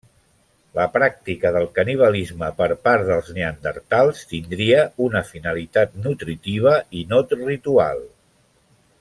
La pràctica del canibalisme per part dels neandertals tindria una finalitat nutritiva i no ritual.